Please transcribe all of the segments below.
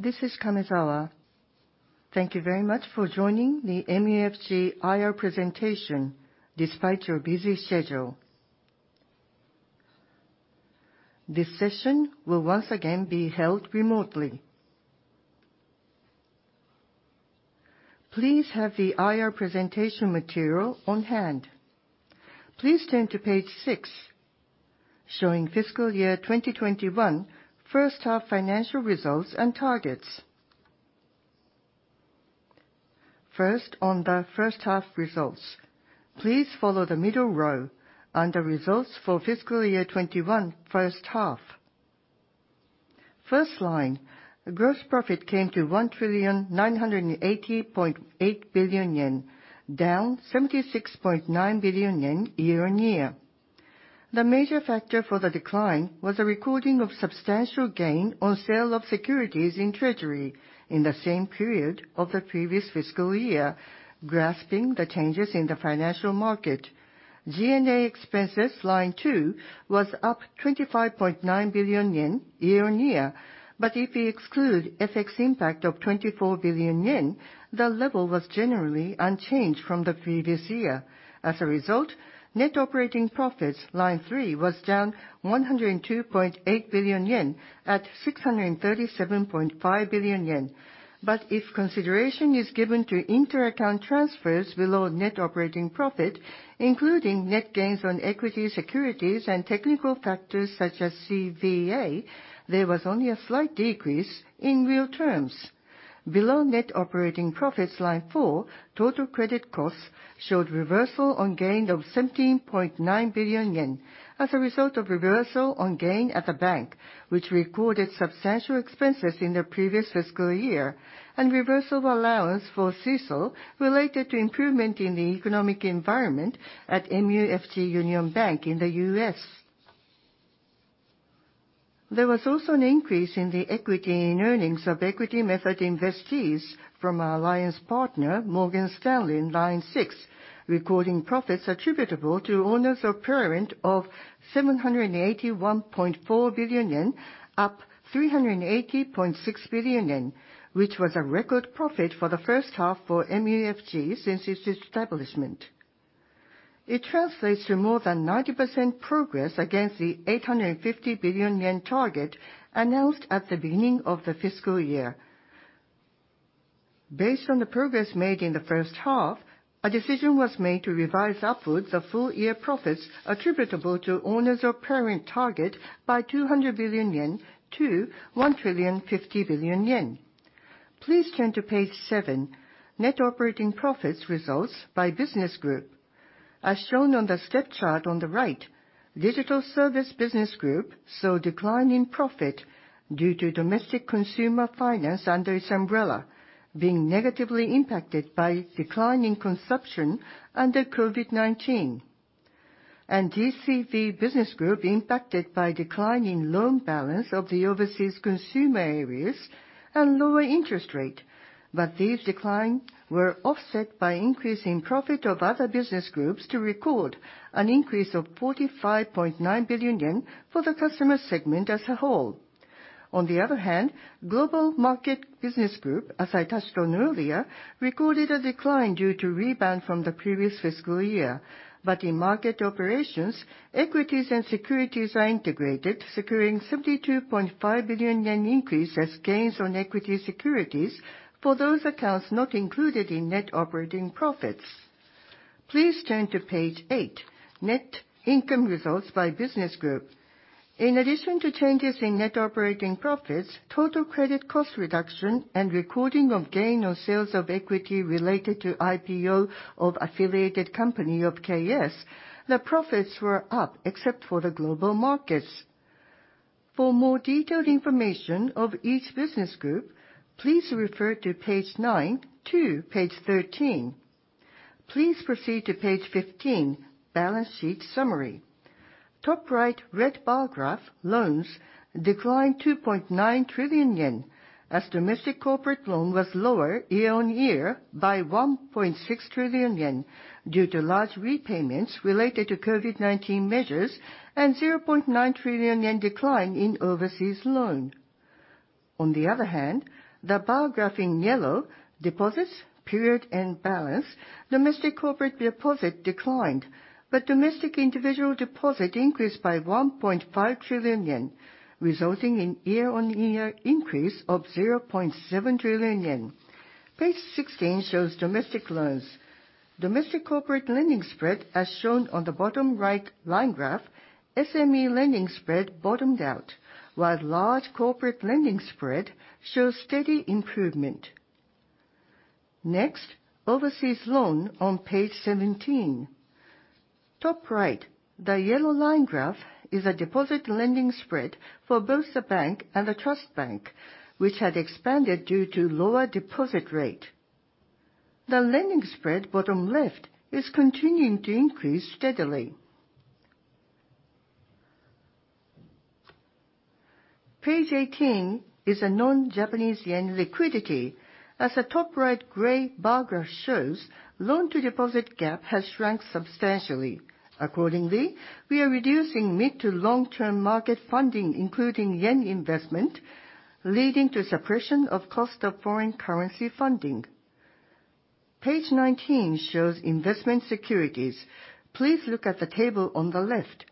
This is Kamezawa. Thank you very much for joining the MUFG IR presentation despite your busy schedule. This session will once again be held remotely. Please have the IR presentation material on hand. Please turn to page 6, showing fiscal year 2021 first-half financial results and targets. First, on the first-half results. Please follow the middle row on the results for fiscal year 2021 first half. First line, gross profit came to 1,980.8 billion yen, down 76.9 billion yen year on year. The major factor for the decline was a recording of substantial gain on sale of securities in treasury in the same period of the previous fiscal year, grasping the changes in the financial market. G&A expenses, line two, was up 25.9 billion yen year on year, but if we exclude FX impact of 24 billion yen, the level was generally unchanged from the previous year. As a result, net operating profits, line three, was down 102.8 billion yen at 637.5 billion yen. If consideration is given to interaccount transfers below net operating profit, including net gains on equity, securities, and technical factors such as CVA, there was only a slight decrease in real terms. Below net operating profits, line four, total credit costs showed reversal of gain of 17.9 billion yen as a result of reversal of gain at the bank, which recorded substantial expenses in the previous fiscal year, and reversal of allowance for CECL related to improvement in the economic environment at MUFG Union Bank in the U.S. There was also an increase in the equity and earnings of equity method investees from our alliance partner, Morgan Stanley, line six, recording profits attributable to owners of parent of 781.4 billion yen, up 380.6 billion yen, which was a record profit for the first half for MUFG since its establishment. It translates to more than 90% progress against the 850 billion yen target announced at the beginning of the fiscal year. Based on the progress made in the first half, a decision was made to revise upwards the full year profits attributable to owners of parent target by 200 billion yen to 1,050 billion yen. Please turn to page 7, net operating profits results by business group. As shown on the step chart on the right, Digital Service Business Group saw a decline in profit due to domestic consumer finance under its umbrella being negatively impacted by declining consumption under COVID-19. DCV Business Group impacted by declining loan balance of the overseas consumer areas and lower interest rate. These declines were offset by increasing profit of other business groups to record an increase of 45.9 billion yen for the customer segment as a whole. On the other hand, Global Markets Business Group, as I touched on earlier, recorded a decline due to rebound from the previous fiscal year. In market operations, equities and securities are integrated, securing 72.5 billion yen increase as gains on equity securities for those accounts not included in net operating profits. Please turn to page 8, net income results by business group. In addition to changes in net operating profits, total credit cost reduction and recording of gain on sales of equity related to IPO of affiliated company of KS, the profits were up except for Global Markets. For more detailed information of each business group, please refer to page 9 to page 13. Please proceed to page 15, balance sheet summary. Top right red bar graph, loans declined 2.9 trillion yen as domestic corporate loan was lower year on year by 1.6 trillion yen due to large repayments related to COVID-19 measures and 0.9 trillion yen decline in overseas loan. On the other hand, the bar graph in yellow, deposits, period, and balance, domestic corporate deposit declined, but domestic individual deposit increased by 1.5 trillion yen, resulting in year on year increase of 0.7 trillion yen. Page 16 shows domestic loans. Domestic corporate lending spread, as shown on the bottom right line graph. SME lending spread bottomed out, while large corporate lending spread shows steady improvement. Next, overseas loan on page 17. Top right, the yellow line graph is a deposit lending spread for both the bank and the trust bank, which had expanded due to lower deposit rate. The lending spread, bottom left, is continuing to increase steadily. Page 18 is a non-Japanese yen liquidity. As the top right gray bar graph shows, loan-to-deposit gap has shrunk substantially. Accordingly, we are reducing mid- to long-term market funding, including yen investment, leading to suppression of cost of foreign currency funding. Page 19 shows investment securities. Please look at the table on the left.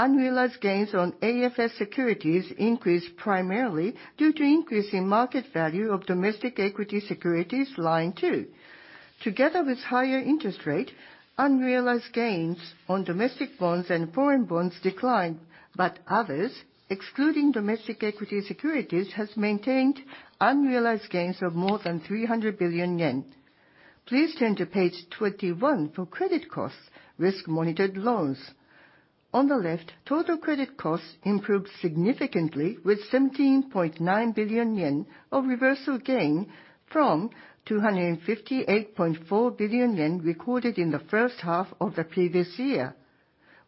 Unrealized gains on AFS securities increased primarily due to increase in market value of domestic equity securities, line two. Together with higher interest rate, unrealized gains on domestic bonds and foreign bonds declined, but others, excluding domestic equity securities, has maintained unrealized gains of more than 300 billion yen. Please turn to page 21 for credit costs, risk-monitored loans. On the left, total credit costs improved significantly with 17.9 billion yen of reversal gain from 258.4 billion yen recorded in the first half of the previous year,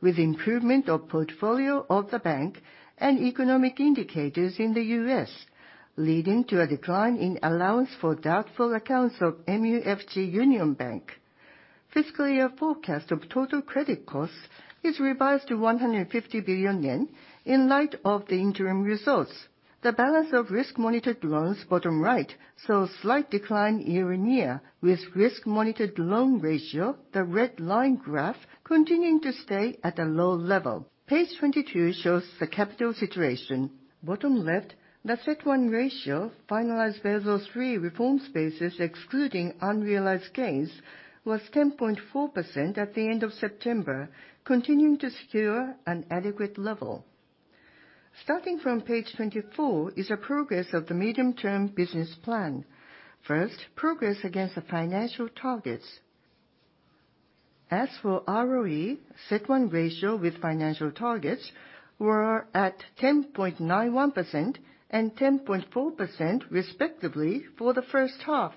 with improvement of portfolio of the bank and economic indicators in the U.S. leading to a decline in allowance for doubtful accounts of MUFG Union Bank. Fiscal year forecast of total credit costs is revised to 150 billion yen in light of the interim results. The balance of risk monitored loans, bottom right, saw a slight decline year on year, with risk monitored loan ratio, the red line graph, continuing to stay at a low level. Page 22 shows the capital situation. Bottom left, the CET1 ratio, finalized Basel III reform phases excluding unrealized gains, was 10.4% at the end of September, continuing to secure an adequate level. Starting from page 24 is a progress of the medium-term business plan. First, progress against the financial targets. As for ROE, CET1 ratio with financial targets were at 10.91% and 10.4% respectively for the first half.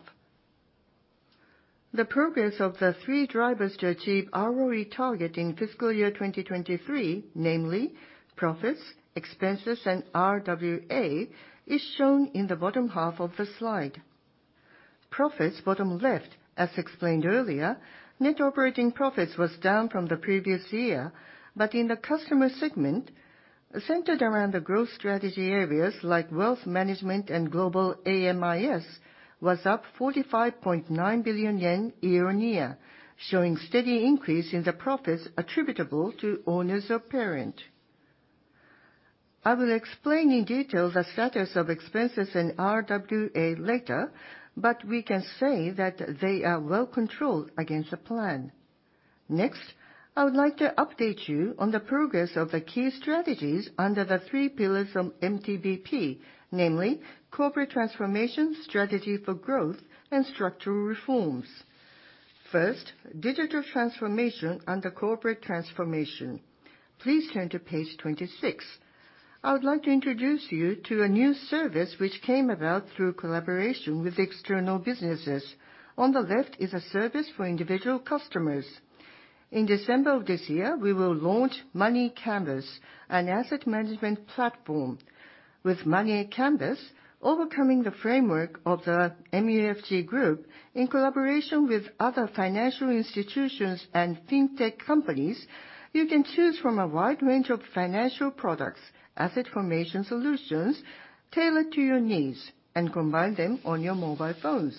The progress of the three drivers to achieve ROE target in fiscal year 2023, namely profits, expenses, and RWA, is shown in the bottom half of the slide. Profits, bottom left, as explained earlier, net operating profits was down from the previous year, but in the customer segment, centered around the growth strategy areas like wealth management and Global AM/IS was up 45.9 billion yen year on year, showing steady increase in the profits attributable to owners of parent. I will explain in detail the status of expenses in RWA later, but we can say that they are well controlled against the plan. Next, I would like to update you on the progress of the key strategies under the three pillars of MTBP, namely corporate transformation, strategy for growth, and structural reforms. First, digital transformation under corporate transformation. Please turn to page 26. I would like to introduce you to a new service which came about through collaboration with external businesses. On the left is a service for individual customers. In December of this year, we will launch Money Canvas, an asset management platform. With Money Canvas, overcoming the framework of the MUFG group, in collaboration with other financial institutions and fintech companies, you can choose from a wide range of financial products, asset formation solutions tailored to your needs, and combine them on your mobile phones.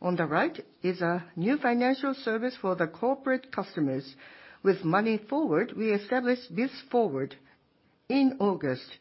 On the right is a new financial service for the corporate customers. With Money Forward, we established this forward in August.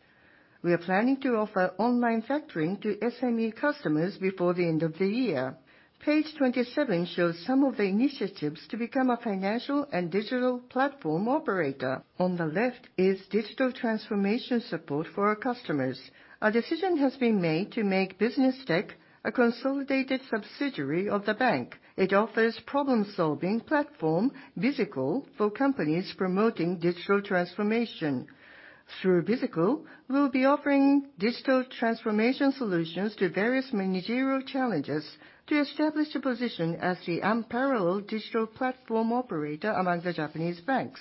We are planning to offer online factoring to SME customers before the end of the year. Page 27 shows some of the initiatives to become a financial and digital platform operator. On the left is digital transformation support for our customers. A decision has been made to make BusinessTech a consolidated subsidiary of the bank. It offers problem-solving platform Bizikuru for companies promoting digital transformation. Through Bizikuru, we'll be offering digital transformation solutions to various managerial challenges to establish a position as the unparalleled digital platform operator among the Japanese banks.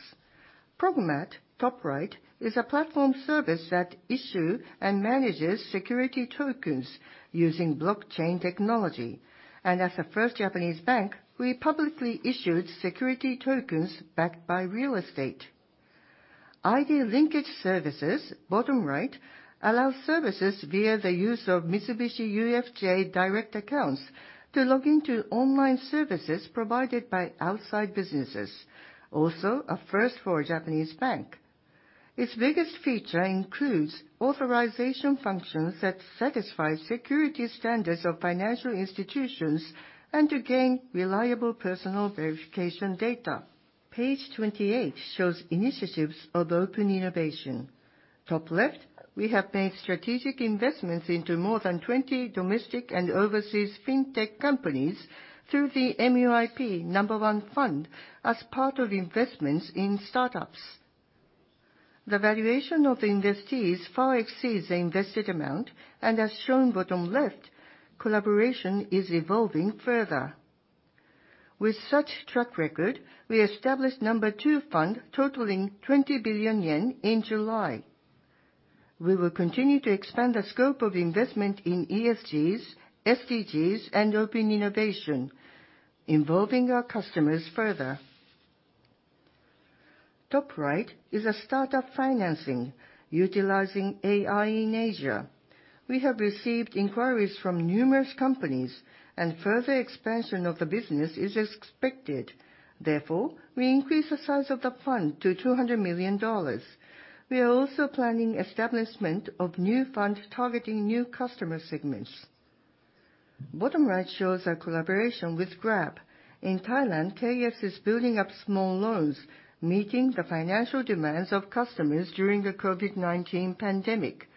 Progmat, top right, is a platform service that issue and manages security tokens using blockchain technology. As a first Japanese bank, we publicly issued security tokens backed by real estate. ID linkage services, bottom right, allow services via the use of Mitsubishi UFJ Direct accounts to log into online services provided by outside businesses. Also, a first for a Japanese bank. Its biggest feature includes authorization functions that satisfy security standards of financial institutions and to gain reliable personal verification data. Page 28 shows initiatives of open innovation. Top left, we have made strategic investments into more than 20 domestic and overseas fintech companies through the MUIP No. 1 fund as part of investments in start-ups. The valuation of the investees far exceeds the invested amount, and as shown bottom left, collaboration is evolving further. With such track record, we established No. 2 fund totaling 20 billion yen in July. We will continue to expand the scope of investment in ESGs, SDGs, and open innovation, involving our customers further. Top right is a startup financing utilizing AI in Asia. We have received inquiries from numerous companies, and further expansion of the business is expected. Therefore, we increase the size of the fund to $200 million. We are also planning establishment of new fund targeting new customer segments. Bottom right shows our collaboration with Grab. In Thailand, Krungsri is building up small loans, meeting the financial demands of customers during the COVID-19 pandemic.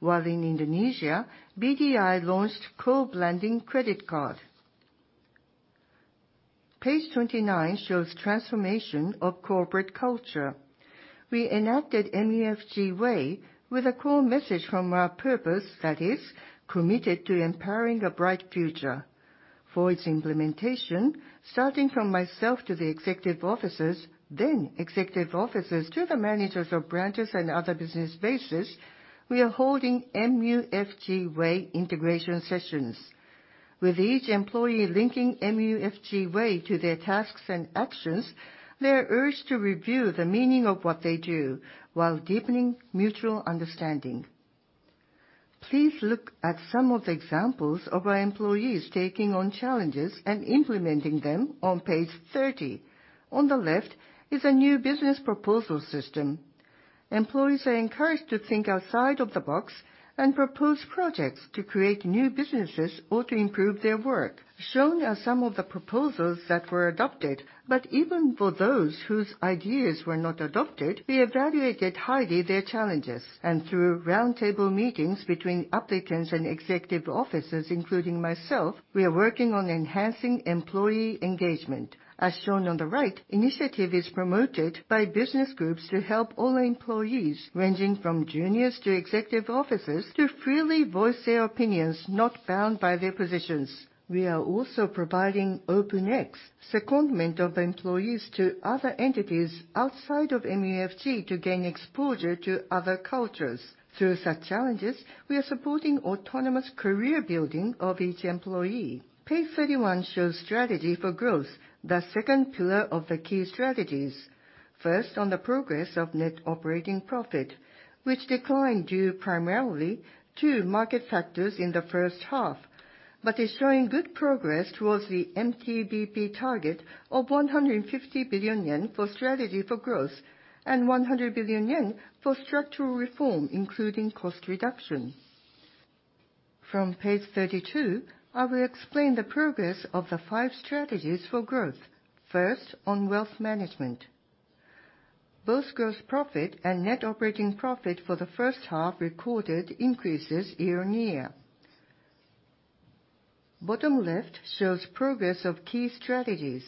While in Indonesia, Bank Danamon Indonesia launched co-branded credit card. Page 29 shows transformation of corporate culture. We enacted MUFG Way with a core message from our purpose, that is, committed to empowering a bright future. For its implementation, starting from myself to the executive officers, then executive officers to the managers of branches and other business bases, we are holding MUFG Way integration sessions. With each employee linking MUFG Way to their tasks and actions, they are urged to review the meaning of what they do while deepening mutual understanding. Please look at some of the examples of our employees taking on challenges and implementing them on page 30. On the left is a new business proposal system. Employees are encouraged to think outside of the box and propose projects to create new businesses or to improve their work. Shown are some of the proposals that were adopted, but even for those whose ideas were not adopted, we evaluated highly their challenges. Through roundtable meetings between applicants and executive officers, including myself, we are working on enhancing employee engagement. As shown on the right, initiative is promoted by business groups to help all employees, ranging from juniors to executive officers, to freely voice their opinions, not bound by their positions. We are also providing OpenX, secondment of employees to other entities outside of MUFG to gain exposure to other cultures. Through such challenges, we are supporting autonomous career building of each employee. Page 31 shows strategy for growth, the second pillar of the key strategies. First, on the progress of net operating profit, which declined due primarily to market factors in the first half, but is showing good progress towards the MTBP target of 150 billion yen for strategy for growth and 100 billion yen for structural reform, including cost reduction. From page 32, I will explain the progress of the five strategies for growth. First, on wealth management. Both gross profit and net operating profit for the first half recorded increases year on year. Bottom left shows progress of key strategies.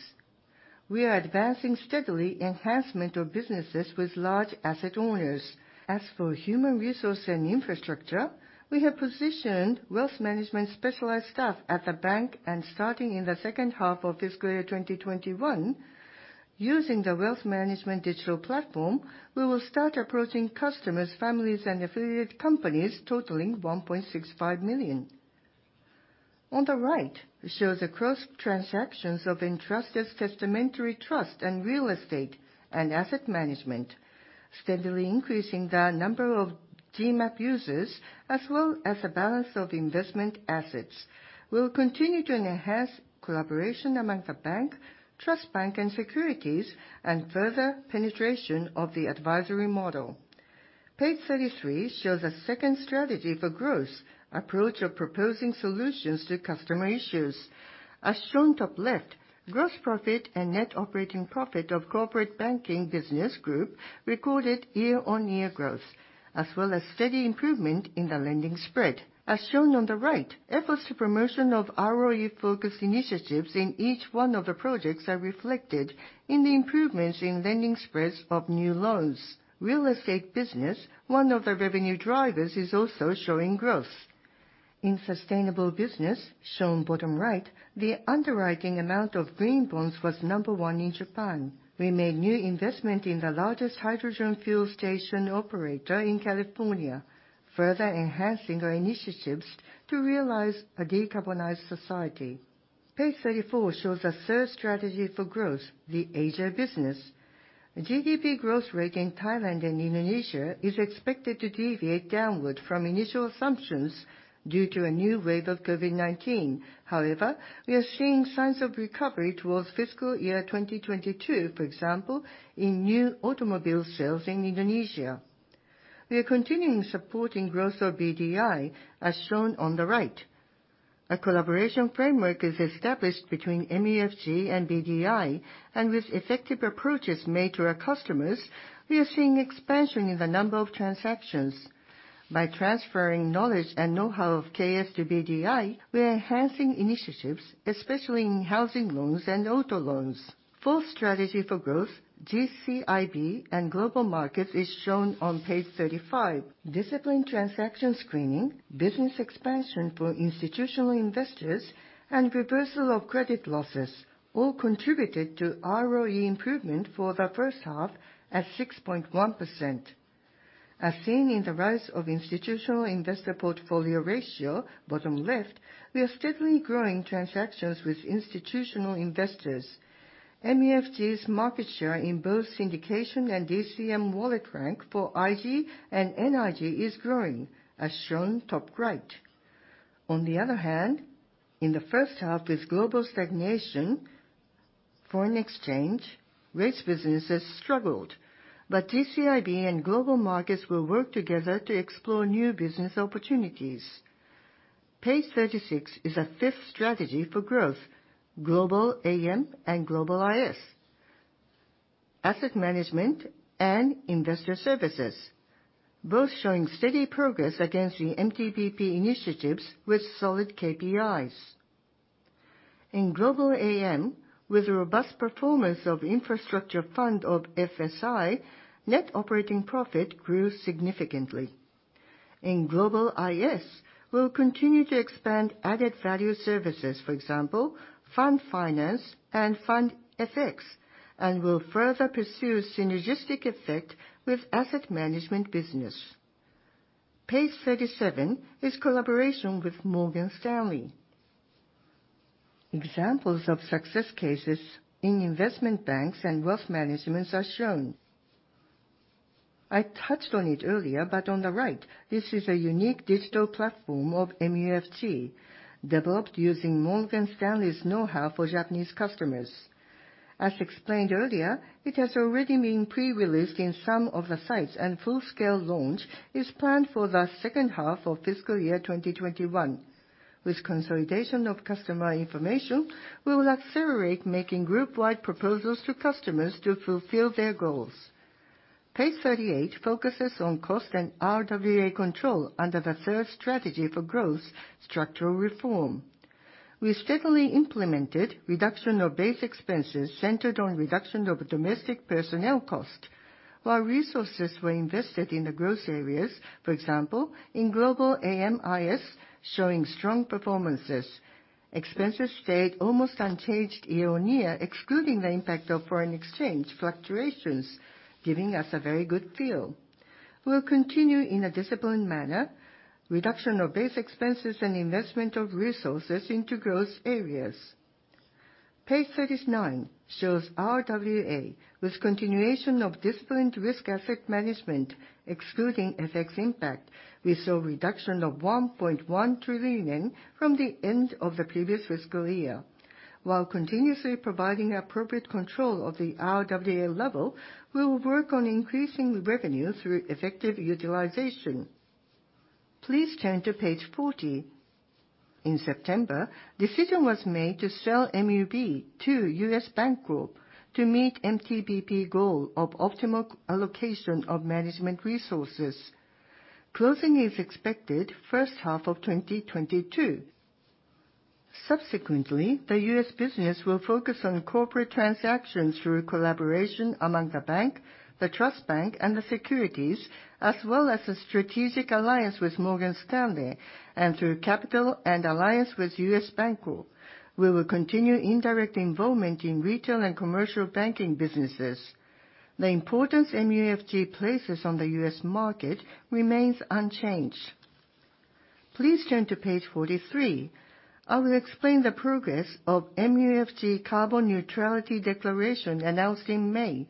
We are advancing steadily enhancement of businesses with large asset owners. As for human resource and infrastructure, we have positioned wealth management specialized staff at the bank, and starting in the second half of fiscal year 2021, using the wealth management digital platform, we will start approaching customers, families, and affiliate companies totaling 1.65 million. On the right shows the cross-transactions of entrusted testamentary trust and real estate and asset management, steadily increasing the number of GMAP users, as well as the balance of investment assets. We'll continue to enhance collaboration among the bank, trust bank, and securities, and further penetration of the advisory model. Page 33 shows a second strategy for growth, approach of proposing solutions to customer issues. As shown top left, gross profit and net operating profit of corporate banking business group recorded year on year growth, as well as steady improvement in the lending spread. As shown on the right, efforts to promotion of ROE-focused initiatives in each one of the projects are reflected in the improvements in lending spreads of new loans. Real estate business, one of the revenue drivers, is also showing growth. In sustainable business, shown bottom right, the underwriting amount of green bonds was number one in Japan. We made new investment in the largest hydrogen fuel station operator in California, further enhancing our initiatives to realize a decarbonized society. Page 34 shows a third strategy for growth, the Asia business. GDP growth rate in Thailand and Indonesia is expected to deviate downward from initial assumptions due to a new wave of COVID-19. However, we are seeing signs of recovery towards fiscal year 2022, for example, in new automobile sales in Indonesia. We are continuing supporting growth of BDI, as shown on the right. A collaboration framework is established between MUFG and BDI, and with effective approaches made to our customers, we are seeing expansion in the number of transactions. By transferring knowledge and know-how of KS to BDI, we are enhancing initiatives, especially in housing loans and auto loans. Fourth strategy for growth, GCIB and Global Markets, is shown on page 35. Disciplined transaction screening, business expansion for institutional investors, and reversal of credit losses all contributed to ROE improvement for the first half at 6.1%. As seen in the rise of institutional investor portfolio ratio, bottom left, we are steadily growing transactions with institutional investors. MUFG's market share in both syndication and DCM wallet rank for IG and non-IG is growing, as shown top right. On the other hand, in the first half, amid global stagnation, foreign exchange, rates businesses struggled, but GCIB and global markets will work together to explore new business opportunities. Page 36 is the fifth strategy for growth, Global AM and Global IS. Asset management and investor services, both showing steady progress against the MTBP initiatives with solid KPIs. In Global AM, with robust performance of infrastructure fund of FSI, net operating profit grew significantly. In Global IS, we'll continue to expand added value services, for example, fund finance and fund FX, and will further pursue synergistic effect with asset management business. Page 37 is collaboration with Morgan Stanley. Examples of success cases in investment banks and wealth managements are shown. I touched on it earlier, but on the right, this is a unique digital platform of MUFG, developed using Morgan Stanley's know-how for Japanese customers. As explained earlier, it has already been pre-released in some of the sites, and full-scale launch is planned for the second half of fiscal year 2021. With consolidation of customer information, we will accelerate making group-wide proposals to customers to fulfill their goals. Page 38 focuses on cost and RWA control under the third strategy for growth, structural reform. We steadily implemented reduction of base expenses centered on reduction of domestic personnel cost, while resources were invested in the growth areas, for example, in Global AM/IS, showing strong performances. Expenses stayed almost unchanged year on year, excluding the impact of foreign exchange fluctuations, giving us a very good feel. We'll continue in a disciplined manner reduction of base expenses and investment of resources into growth areas. Page 39 shows RWA with continuation of disciplined risk asset management excluding FX impact. We saw a reduction of 1.1 trillion yen from the end of the previous fiscal year. While continuously providing appropriate control of the RWA level, we will work on increasing revenue through effective utilization. Please turn to page 40. In September, decision was made to sell MUB to U.S. Bancorp to meet MTBP goal of optimal allocation of management resources. Closing is expected first half of 2022. Subsequently, the U.S. business will focus on corporate transactions through collaboration among the bank, the trust bank, and the securities, as well as a strategic alliance with Morgan Stanley and through capital and alliance with U.S. Bancorp. We will continue indirect involvement in retail and commercial banking businesses. The importance MUFG places on the U.S. market remains unchanged. Please turn to page 43. I will explain the progress of MUFG carbon neutrality declaration announced in May,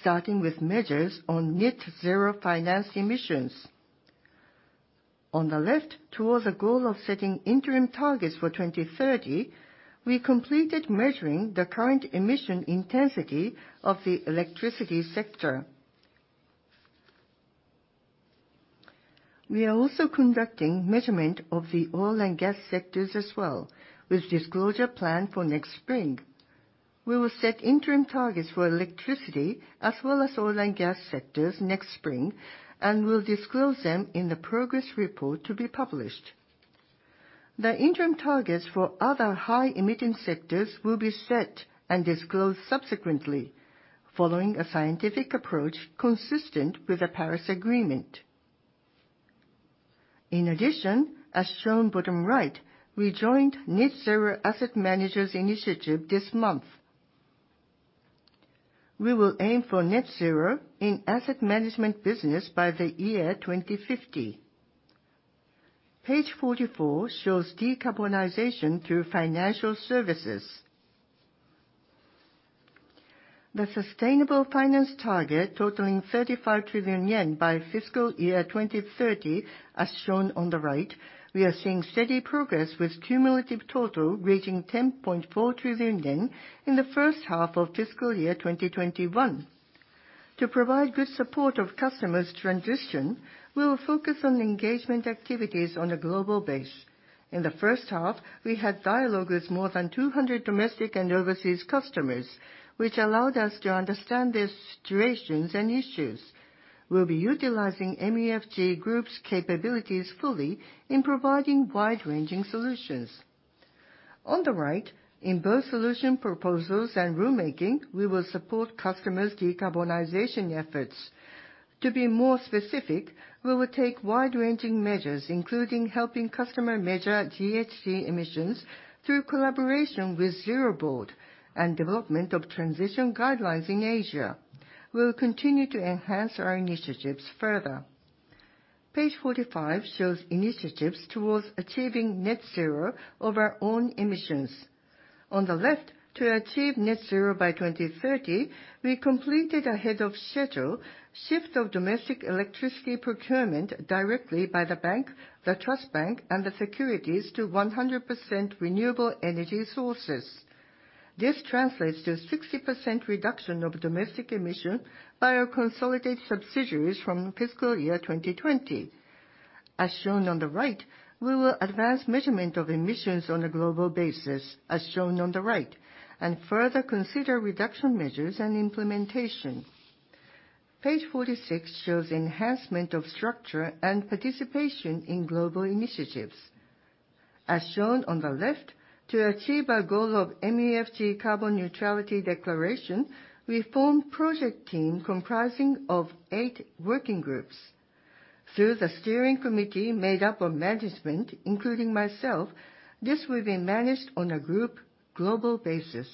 starting with measures on net-zero financed emissions. On the left, towards a goal of setting interim targets for 2030, we completed measuring the current emission intensity of the electricity sector. We are also conducting measurement of the oil and gas sectors as well, with disclosure plan for next spring. We will set interim targets for electricity as well as oil and gas sectors next spring, and we'll disclose them in the progress report to be published. The interim targets for other high-emitting sectors will be set and disclosed subsequently, following a scientific approach consistent with the Paris Agreement. In addition, as shown bottom right, we joined Net-Zero Asset Managers Initiative this month. We will aim for net-zero in asset management business by the year 2050. Page 44 shows decarbonization through financial services. The sustainable finance target totaling 35 trillion yen by fiscal year 2030, as shown on the right, we are seeing steady progress with cumulative total reaching 10.4 trillion yen in the first half of fiscal year 2021. To provide good support of customers' transition, we will focus on engagement activities on a global basis. In the first half, we had dialogue with more than 200 domestic and overseas customers, which allowed us to understand their situations and issues. We'll be utilizing MUFG Group's capabilities fully in providing wide-ranging solutions. On the right, in both solution proposals and rule-making, we will support customers' decarbonization efforts. To be more specific, we will take wide-ranging measures, including helping customer measure GHG emissions through collaboration with Zeroboard and development of transition guidelines in Asia. We will continue to enhance our initiatives further. Page 45 shows initiatives towards achieving net-zero of our own emissions. On the left, to achieve net-zero by 2030, we completed ahead of schedule shift of domestic electricity procurement directly by the bank, the trust bank, and the securities to 100% renewable energy sources. This translates to 60% reduction of domestic emissions by our consolidated subsidiaries from fiscal year 2020. As shown on the right, we will advance measurement of emissions on a global basis, as shown on the right, and further consider reduction measures and implementation. Page 46 shows enhancement of structure and participation in global initiatives. As shown on the left, to achieve our goal of MUFG carbon neutrality declaration, we form project team comprising of eight working groups. Through the steering committee made up of management, including myself, this will be managed on a group global basis.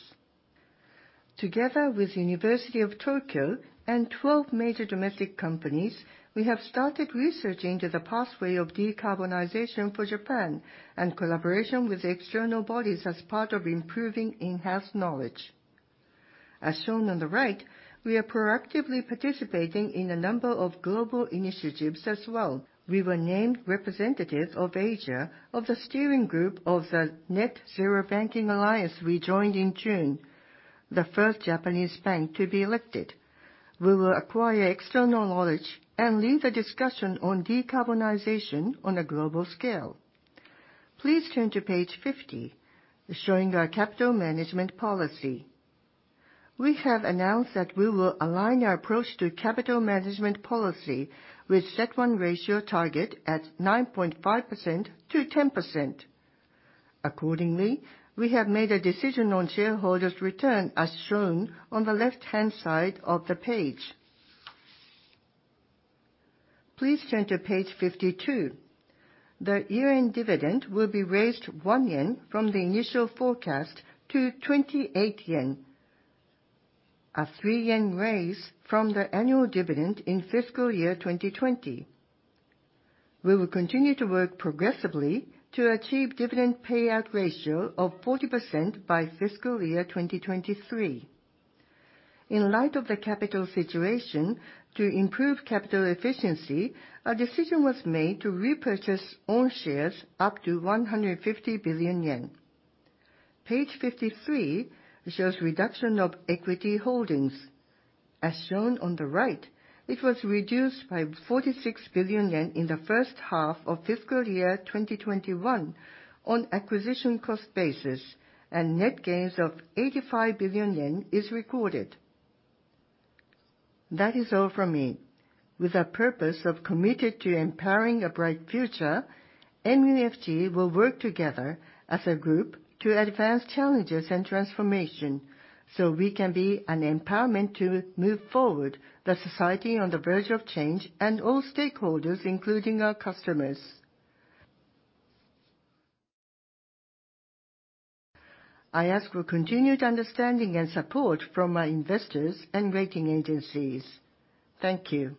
Together with The University of Tokyo and 12 major domestic companies, we have started researching into the pathway of decarbonization for Japan and collaboration with external bodies as part of improving in-house knowledge. As shown on the right, we are proactively participating in a number of global initiatives as well. We were named representatives of Asia of the steering group of the Net-Zero Banking Alliance we joined in June, the first Japanese bank to be elected. We will acquire external knowledge and lead the discussion on decarbonization on a global scale. Please turn to page 50 showing our capital management policy. We have announced that we will align our approach to capital management policy with CET1 ratio target at 9.5%-10%. Accordingly, we have made a decision on shareholders' return, as shown on the left-hand side of the page. Please turn to page 52. The year-end dividend will be raised 1 yen from the initial forecast to 28 yen, a 3 yen raise from the annual dividend in fiscal year 2020. We will continue to work progressively to achieve dividend payout ratio of 40% by fiscal year 2023. In light of the capital situation, to improve capital efficiency, a decision was made to repurchase own shares up to 150 billion yen. Page 53 shows reduction of equity holdings. As shown on the right, it was reduced by 46 billion yen in the first half of fiscal year 2021 on acquisition cost basis, and net gains of 85 billion yen is recorded. That is all from me. With a purpose of committed to empowering a bright future, MUFG will work together as a group to advance challenges and transformation so we can be an empowerment to move forward the society on the verge of change and all stakeholders, including our customers. I ask for continued understanding and support from our investors and rating agencies. Thank you.